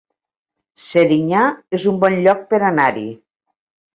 Serinyà es un bon lloc per anar-hi